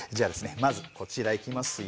まずこちらいきますよ。